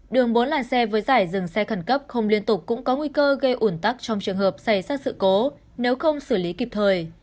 đường bốn làn xe với giải dừng xe khẩn cấp không liên tục cũng có nguy cơ gây ủn tắc trong trường hợp xảy ra sự cố nếu không xử lý kịp thời